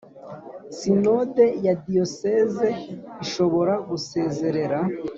Sinode ya Diyoseze ishobora gusezerera